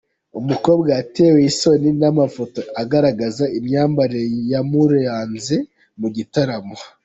Umukobwa yatewe isoni n’amafoto agaragaza imyambarire yamuranze mu gitaramo